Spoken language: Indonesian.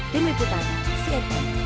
demi putra smp indonesia